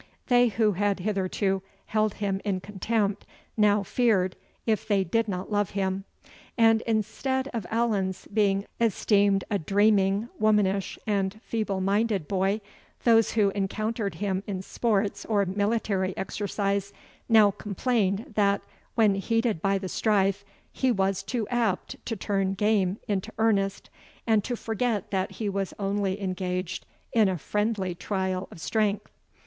They who had hitherto held him in contempt, now feared, if they did not love him; and, instead of Allan's being esteemed a dreaming, womanish, and feeble minded boy, those who encountered him in sports or military exercise, now complained that, when heated by the strife, he was too apt to turn game into earnest, and to forget that he was only engaged in a friendly trial of strength.